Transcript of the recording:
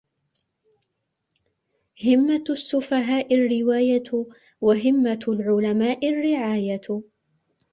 هِمَّةُ السُّفَهَاءِ الرِّوَايَةُ وَهِمَّةُ الْعُلَمَاءِ الرِّعَايَةُ